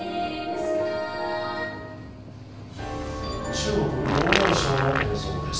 中国・遼寧省の映像です。